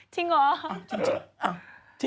จริงเหรอ